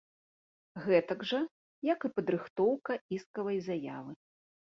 Гэтак жа, як і падрыхтоўка іскавай заявы.